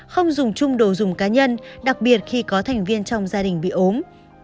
không dùng chung đồ dùng cá nhân đặc biệt khi có thành viên trong gia đình bị ốm